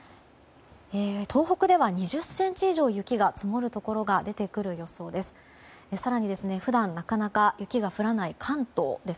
東北では２０ｃｍ以上雪が積もるところが出てくる予想です。